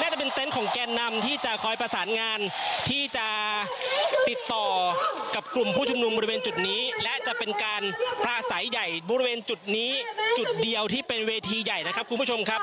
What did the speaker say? น่าจะเป็นเต็นต์ของแกนนำที่จะคอยประสานงานที่จะติดต่อกับกลุ่มผู้ชุมนุมบริเวณจุดนี้และจะเป็นการปลาใสใหญ่บริเวณจุดนี้จุดเดียวที่เป็นเวทีใหญ่นะครับคุณผู้ชมครับ